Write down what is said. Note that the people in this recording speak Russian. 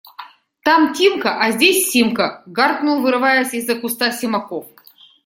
– Там Тимка, а здесь Симка! – гаркнул, вырываясь из-за куста, Симаков.